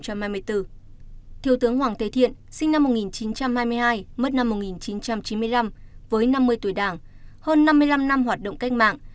thiếu tướng hoàng tê thiện sinh năm một nghìn chín trăm hai mươi hai mất năm một nghìn chín trăm chín mươi năm với năm mươi tuổi đảng hơn năm mươi năm năm hoạt động cách mạng